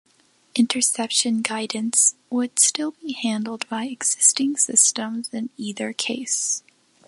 Interception guidance would still be handled by existing systems in either case.